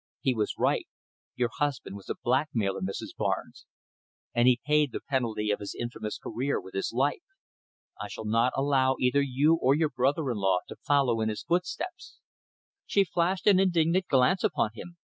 He was right. Your husband was a blackmailer, Mrs. Barnes, and he paid the penalty of his infamous career with his life. I shall not allow either you or your brother in law to follow in his footsteps!" She flashed an indignant glance upon him.